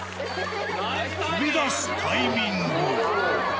飛び出すタイミング。